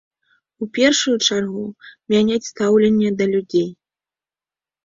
У першую чаргу мяняць стаўленне да людзей.